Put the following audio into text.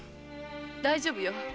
大丈夫よ。